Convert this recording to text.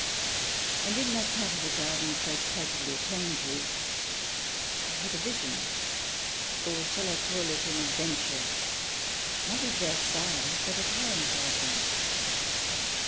And in that part of the gardens, so casually attained to, I had a vision — or shall I call it an Adventure? — not of Versailles, butof Herrenhausen.